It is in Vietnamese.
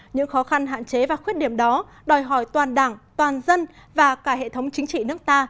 những khó khăn hạn chế và khuyết điểm đó đòi hỏi toàn đảng toàn dân và cả hệ thống chính trị nước ta